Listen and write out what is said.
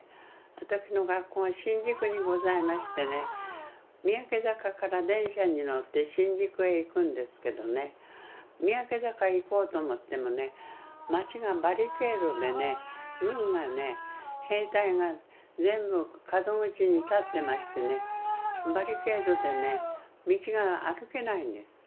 私の学校が新宿にございましてね三宅坂から電車に乗って新宿へ行くんですけどね三宅坂へ行こうと思ってもね町がバリケードでね軍がね兵隊が全部門口に立ってましてねバリケードでね道が歩けないんです。